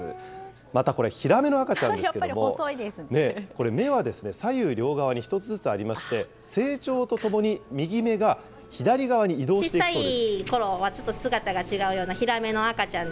またこれ、ヒラメの赤ちゃんですけれども、これ、目は左右両側に１つずつありまして、成長とともに、右目が左側に移動するそうです。